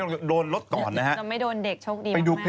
เราไม่โดนเด็กโชคดีมาก